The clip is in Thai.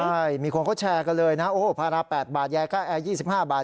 ใช่มีคนเขาแชร์กันเลยนะโอ้โหภาระ๘บาทยายค่าแอร์๒๕บาท